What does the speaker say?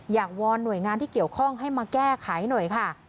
วอนหน่วยงานที่เกี่ยวข้องให้มาแก้ไขหน่อยค่ะ